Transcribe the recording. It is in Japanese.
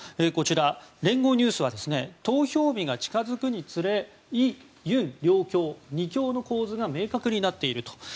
こちら、連合ニュースは投票日が近付くにつれイ・ユン両強、２強の構図が明確になっていると。